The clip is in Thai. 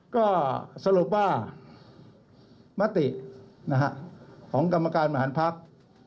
ก็สรุปว่ามัตตินะฮะของกรรมการมหาลพักษณ์